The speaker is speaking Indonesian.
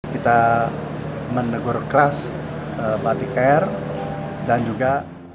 kita menegur keras batik air dan juga